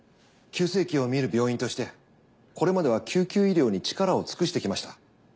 急性期を診る病院としてこれまでは救急医療に力を尽くしてきました。